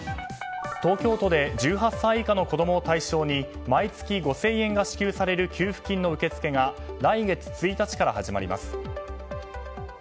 東京都で１８歳以下の子供を対象に毎月５０００円が支給される給付金の受け付けが来月１日から始まります。